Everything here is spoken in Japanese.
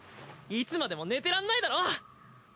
いつまでも寝てらんないだろ。